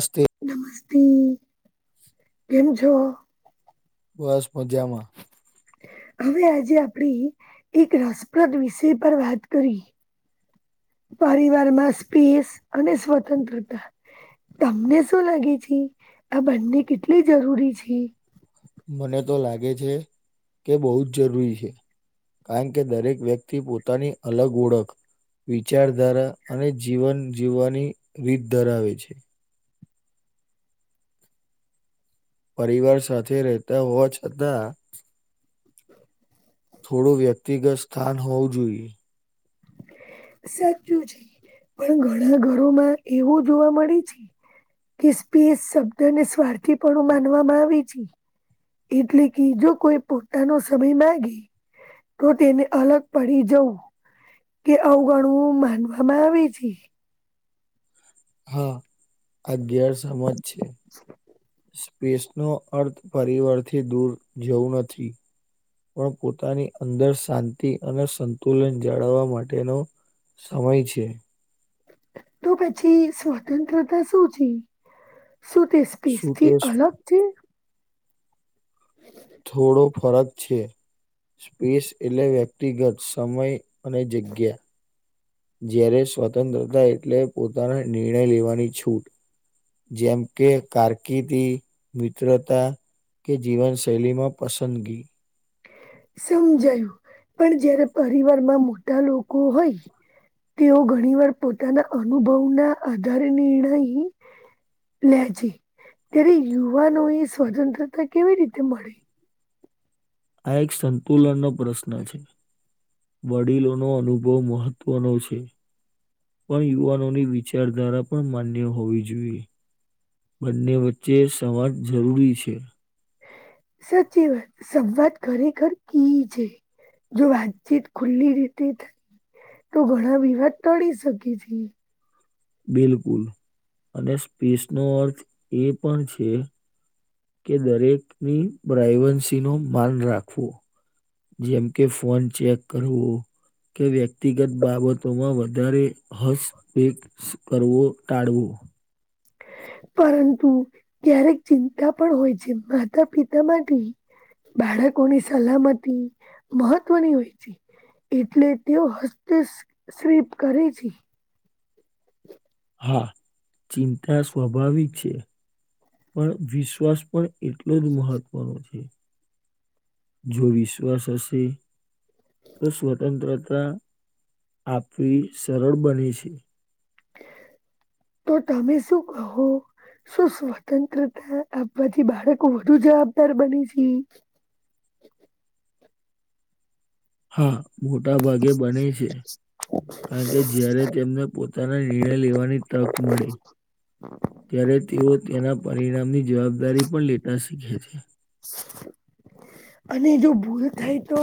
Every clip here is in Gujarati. સ્તી નમસ્તી કેમ છો બસ મજામાં હવે આજે આપણી એક રસપ્રદ વિષય પર વાત કરી પરિવાર માં સ્પીસ અને સ્વતંત્રતા તમને શું લાગે છે આ બંને કેટલી જરૂરી છે મને તો લાગે છે કે બહુ જ જરૂરી છે કારણ કે દરેક વ્યક્તિ પોતાની અલગ ઓળખ વિચારધારા અને જીવન જીવવાની રીત ધરાવે છે પરિવાર સાથે રહેતા હોવા જ હતા થોડું વ્યક્તિગત સ્થાન હોવું જોઈએ સાચું છે પણ ઘણા ઘરોમાં એવું જોવા મળે છે કેસ્પીસ શબ્દ ને સ્વાર્થી પણણું માનવામાં આવે છે એટલે કે જો કોઈ પોતાનો સમય મામાંગી તો તેને અલગ પડી જવં કે અવગણું માનવામાં આવે છે હા અગિયાર સમાજ છે સ્પેસ નો અર્થ પરિવારથી દૂર જવું નથી પણ પોતાની અંદર શાંતિ અને સંતુલન જાળવવા માટેનો સમય છે તો પછી સ્વતંત્રતા શું છે શું તે શું તે સ્પેસથી અલગ જ થોડો ફરક છે સ્પેસ એટલે વ્યક્તિગત સમય અને જગ્યા જય્યારે સ્વતંત્રતા એટલે પોતાના નિર્ણય લેવાની છૂટ જેમ કે કારકિર્દી મિત્રતા કે જીવનશૈલીમાં પસંદગી સમજાયું પણ જયારે પરિવાર માં મોટા લોકો હોય તેઓ ઘણી વાર પોતાના અનુભવના આધારે નિર્ણય લે છે ત્યારે યુવાનો એ સ્વતંત્રતા કેવી રીતે મળી આ એક સંતુલન નો પ્રશ્ન છે વડીલોનો અનુભવ મહત્વનો છે પણ યુવાનોની વિચારધારા પણ માન્ય હોવી જોઈએ બંને વચ્ચે સમાજ જરૂરી છે સાચી વાત સંવાત ઘરે ઘર કી છે જો વાતચીત ખુલ્લી રીતે થાય તો ઘણા વિવાદ ટળી શકે છે બિલકુલ અને સ્પેસ નો અર્થ એ પણ છે કે દરેકની પ્રાઈવસીનું માન રાખવું. જેમ કે ફોન ચેક કરવું કે વ્યક્તિગત બાબતોમાં વધારે હસ્તપેક કરવું ટાળવું. પરંતુ ક્યારેક ચિંતા પણ હોય છે માતા પિતા માટે બાળકોની સલામતી મહત્વની હોય છે. એટલે તેઓ હસ્તશેપ કરે છે. હા ચિંતા સ્વાભાવિક છે પણ વિશ્વાસ પણ એટલો જ મહત્વનો છે જો વિશ્વાસ હશે તો સ્વતંત્રતા આપવી સરળ બને છે. તો તમે શું કહો. શું સ્વતંત્રતા આપવાથી બાળકો વધુ જવાબદાર બને છે. હા મોટા ભાગે બને છે કારણ કે જ્યારે તેમને પોત પોતાના નિર્ણય લેવાની તક મળે. ત્યારે તેઓ તેના પરિણામની જવાબદારી પણ લેતા શીખે છે. અને જો ભૂલ થાય તો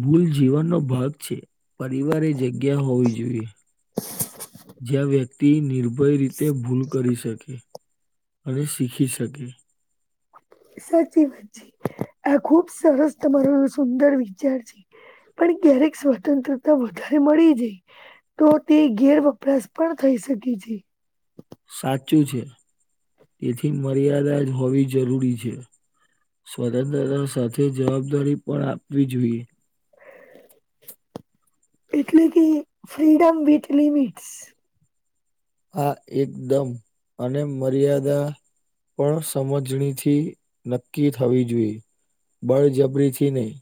ભૂલ જીવનનો ભાગ છે. પરિવારે જગ્યા હોવી જોઈએ. જ્યાં વ્યક્તિ નિર્ભય રીતે ભૂલ કરી શકે. અને શીખી શકે. સાચી વાત છે. આ ખુબ સરસ તમારો સુંદર વિચાર છે. પણ ક્યારેક સ્વતંત્રતા વધારે મળી જાય. તો તે ગેર વપરાશ પણ થઈ શકે છે. સાચું છે એથી મર્યાદા જ હોવી જરૂરી છે. સ્વતંત્રતા સાથે જવાબદારી પણ આપવી જોઈએ. એટલે કે ફ્રીડમ વિથ લિમિટ્સ. હા એકદમ અને મર્યાદા પણ સમજણીથી નક્કી થવી જોઈએ બળજબરીથી નહીં.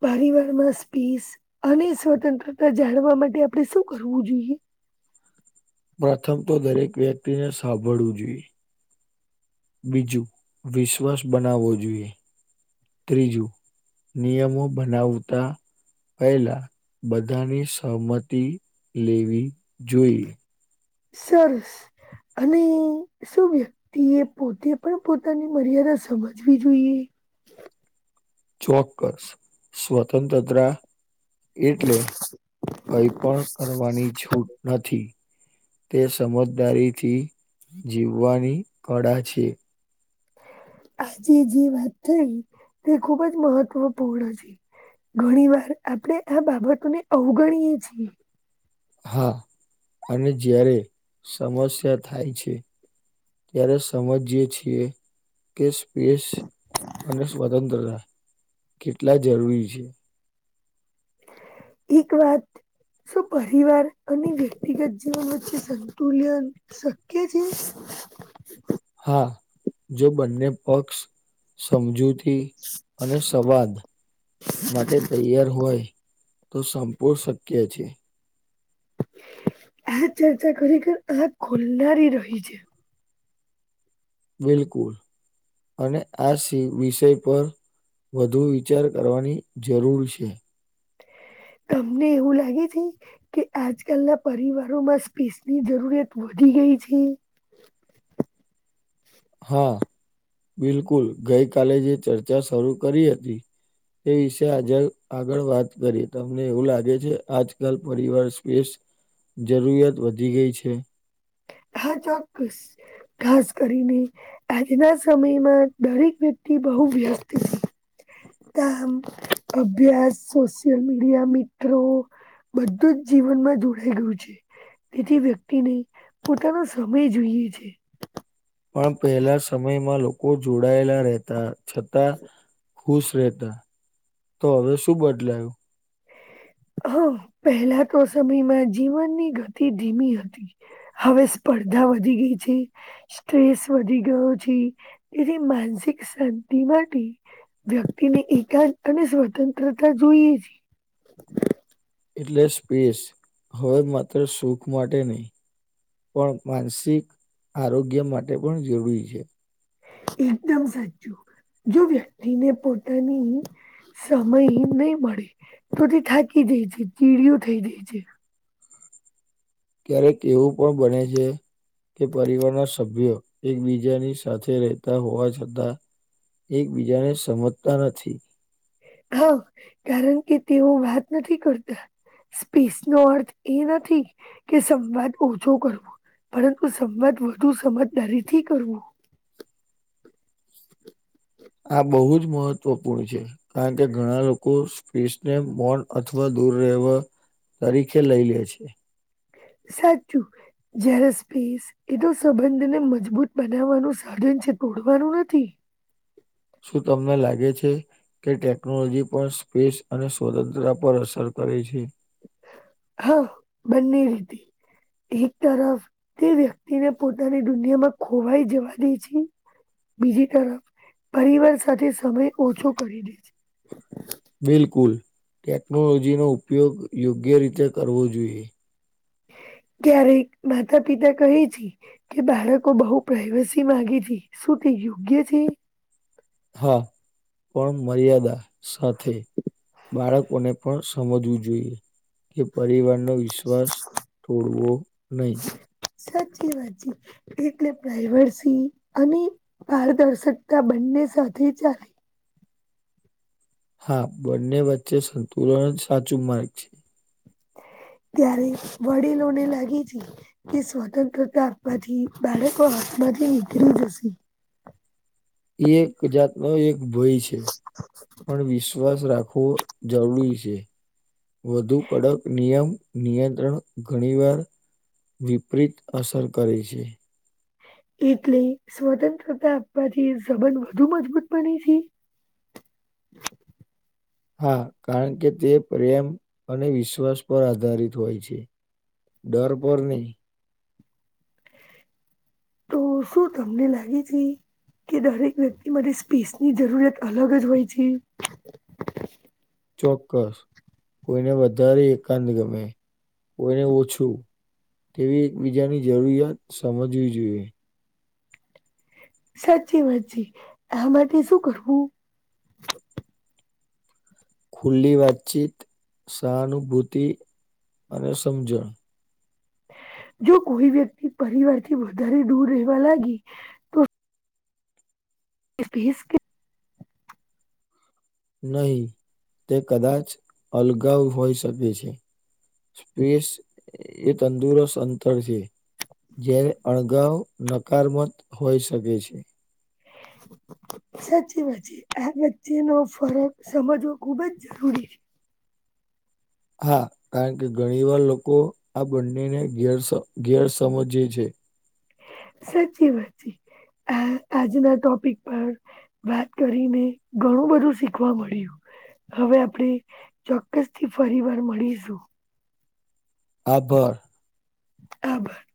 પરિવારમાં સ્પીસ અને સ્વતંત્રતા જાણવા માટે આપણે શું કરવું જોઈએ. પ્રથમ તો દરેક વ્યક્તિને સાંભળવું જોઈએ. બીજું વિશ્વાસ બનાવવો જોઈએ. ત્રીજું નિયમો બનાવતા પહેલા બધાની સહમતી લેવી જોઈએ. સરસ અને શું વ્યક્તિએ પોતે પણ પોતાની મર્યાદા સમજવી જોઈએ. ચોક્કસ સ્વતંત્રતા એટલે કઈ પણ કરવાની છૂટ નથી. તે સમજદારીથી જીવવાની કળા છે. આજે જે વાત થઈ તે ખુબ જ મહત્વપૂર્ણ છે. ઘણી વાર આપણે આ બાબતોને અવગણીએ છીએ. હા અને જ્યારે સમસ્યા થાય છે. ત્યારે સમજીયે છીએ કે સ્પેસ અને સ્વતંત્રતા કેટલા જરૂરી છે. એક વાત શું પરિવાર અને વ્યક્તિગત જીવન વચ્ચે સંતુલન શક્ય છે. હા, જો બંને પક્ષ સમજૂતી અને સવાદ માટે તૈયાર હોય તો સંપૂર્ણ શક્ય છે. આ ચર્ચા ખરેખર આંખ ખોલનારી રહી છે. બિલકુલ અને આ સી વિષય પર વધુ વિચાર કરવાની જરૂર છે. તમને એવું લાગે છે. કે આજકાલના પરિવારોમાં સ્પેસની જરૂરિયાત વધી ગઈ છે. હા, બિલકુલ ગઈ કાલે જે ચર્ચા શરૂ કરી હતી તે વિશે આજડ આજે આગળ વાત કરીએ. તમને એવું લાગે છે આજકાલ પરિવાર સ્પેસ જરૂરિયાત વધી ગઈ છે. હા, ચોક્કસ ખાસ કરીને આજના સમયમાં દરેક વ્યક્તિ બહુ વ્યસ્ત છે. કામ, અભ્યાસ, સોશિયલ મીડિયા, મિત્રો બધું જ જીવનમાં જોડાઈ ગયું છે, તેથી વ્યક્તિ નહીં પોતાનો સમય જોઈએ છે. પણ પહેલા સમયમાં લોકો જોડાયેલા રહેતા છતાં ખુશ રહેતા. તો હવે શું બદલાયું? હા, પહેલા તો સમયમાં જીવનની ગતિ ધીમી હતી. હવે સ્પર્ધા વધી ગઈ છે. સ્ટ્રેસ વધી ગયો છે. એની માનસિક શાંતિ માટે વ્યક્તિને એકાદ અને સ્વતંત્રતા જોઈએ છે. એટલે સ્પેસ હવે માત્ર સુખ માટે નહીં. પણ માનસિક આરોગ્ય માટે પણ જરૂરી છે. એકદમ સાચું. જો વ્યક્તિને પોતાની સમય નહીં મળે તો તે થાકી જે છે, ચીડિયું થઈ જાય છે. ક્યારેક એવું પણ બને છે. કે પરિવારના સભ્યો એકબીજાની સાથે રહેતા હોવા છતાં. એકબીજાને સમજતા નથી. હા, કારણ કે તેઓ વાત નથી કરતા. સ્પેસ નો અર્થ એ નથી કે સંવાદ ઓછો પરંતુ સંમત વધુ સમજદારીથી કરવો. આ બહુ જ મહત્વપૂર્ણ છે. કારણ કે ઘણા લોકો સ્પસને બોન્ડ અથવા દૂર રહેવા તરીકે લઈ લે છે. સાચું જરા સ્પેસ એ તો સંબંધને મજબૂત બનાવવાનું સાધન છે, તોડવાનું નથી. શું તમને લાગે છે. કે ટેકનોલોજી પણ સ્પેસ અને સ્વતંત્રતા પર અસર કરે છે. હા, બંને રીતે. એક તરફ તે વ્યક્તિને પોતાની દુનિયામાં ખોવાઈ જવા દે છે. બીજી તરફ પરિવાર સાથે સમય ઓછો કરી દે છે. બિલકુલ, ટેકનોલોજી નો ઉપયોગ યોગ્ય રીતે કરવો જોઈએ. ક્યારેક માતા-પિતા કહે છે. કે બાળકો બહુ પ્રાઈવસી માંગે છે. શું તે યોગ્ય છે? હા, પણ મર્યાદા સાથે. બાળકોને પણ સમજવું જોઈએ કે પરિવારનો વિશ્વાસ તોડવો નઈ. સાચી વાત છે. એટલે પ્રાઇર્વસી અને પારદર્શકતા બંને સાથે ચાલે. હા, બંને વચ્ચે સંતુલન જ સાચું માર્ગ છે. ત્યારે વડીલોને લાગે છે કે સ્વતંત્રતા આપવાથી બાળકો હાથમાંથી નીકળી જશે. એક જાતનો એક ભય છે પણ વિશ્વાસ રાખવો જરૂરી છે વધુ કડક નિયમ નિયંત્રણ ઘણી વાર. વિપરીત અસર કરે છે. એટલે સ્વતંત્રતા આપવાથી સંબંધ વધુ મજબૂત બને છે. હા, કારણ કે તે પ્રેમ અને વિશ્વાસ પર આધારિત હોય છે. ડર પર નઈ. તો શું તમને લાગી હતી? કે દરેક વ્યક્તિ માટે સ્પેસની જરૂરિયાત અલગ જ હોય છે. ચોક્કસ, કોઈને વધારે એકાંત ગમે કોઈને ઓછું. તેવી એકબીજાની જરૂરિયાત સમજવી જોઈએ. સાચી વાત છે. આ માટે શું કરવું? ખુલ્લી વાતચીત, સહાનુભૂતિ અને સમજણ. જો કોઈ વ્યક્તિ પરિવારથી વધારે દૂર રહેવા લાગી. એ [unintelligible] કે નહીં, તે કદાચ અલગાવ હોઈ શકે છે. સ્પેસ એ તંદુરસ્ત અંતર છે. જયારે અણગાવ નકારમત હોઈ શકે છે. સાચી વાત છે. આ વચ્ચે નો ફરક સમજવો ખુબ જ જરૂરી છે. હા, કારણ કે ઘણી વાર લોકો આ બંનેને ગેરસ ગેર સમજે છે. સાચી વાત છે. આ આજના ટોપિક પર વાત કરીને ઘણું બધું શીખવા મળ્યું. હવે આપણે ચોક્કસથી ફરી વાર મળીશું. આભાર. આભાર.